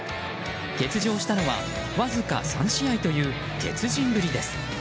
欠場したのはわずか３試合という鉄人ぶりです。